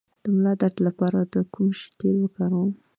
د ملا درد لپاره د کوم شي تېل وکاروم؟